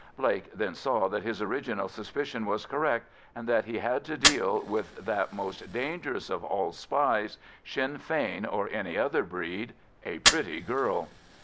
Blake then saw that his original suspicion was correct, and that he had to deal with that most dangerous of all spies, Sinn Fein or any other breed—a pretty girl.